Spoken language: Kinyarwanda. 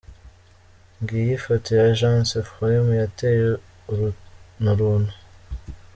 Ngiyi Ifoto ya Jense Frumes yateye urunturuntu.